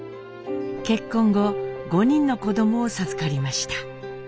結婚後５人の子どもを授かりました。